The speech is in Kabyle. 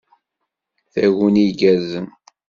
Taguni igerrzen!